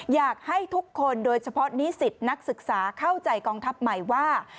อยากให้ทุกคนโดยเฉพาะนิสิตนักศึกษาเข้าใจกองทัพใหม่ว่า